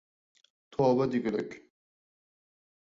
توۋا دېگۈلۈك!